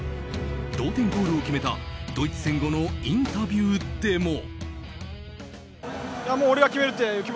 同点ゴールを決めたドイツ戦後のインタビューでも。